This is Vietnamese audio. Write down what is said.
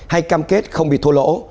hay cam kết không bị thua lỗ